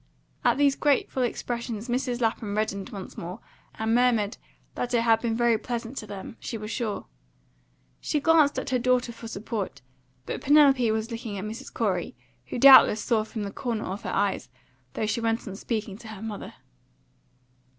At these grateful expressions Mrs. Lapham reddened once more, and murmured that it had been very pleasant to them, she was sure. She glanced at her daughter for support, but Penelope was looking at Mrs. Corey, who doubtless saw her from the corner of her eyes, though she went on speaking to her mother.